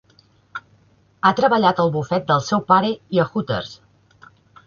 Ha treballat al bufet del seu pare i a Hooters.